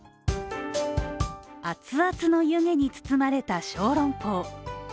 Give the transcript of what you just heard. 熱々の湯気に包まれた小籠包。